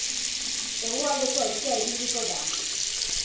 Hegoaldeko haizea ibiliko da.